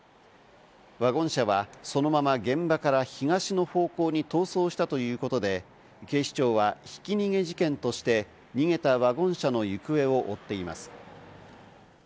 ワゴン車はそのまま現場から東の方向に逃走したということで、警視庁はひき逃げ事件として逃げたワゴン車の行方を追っています。